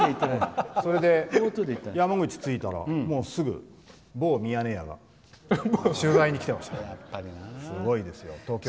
それで山口着いたらすぐ、某「ミヤネ屋」が取材に来てましたよ。